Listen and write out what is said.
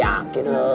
ah yakin lu